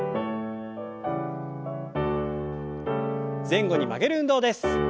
前後に曲げる運動です。